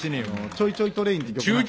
「ちょいちょいトレイン」って曲なんかね。